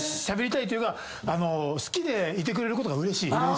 しゃべりたいというか好きでいてくれることがうれしい。